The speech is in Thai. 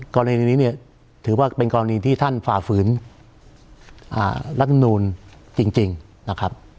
กรณีนี้เนี่ยถือว่าเป็นกรณีที่ท่านฝ่าฝืนอ่าละทำนูนจริงจริงนะครับ